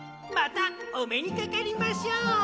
またおめにかかりましょう！